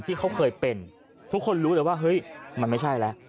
ที่เขาเคยเป็นทุกคนรู้เลยว่าเฮ้ยมันไม่ใช่แล้ว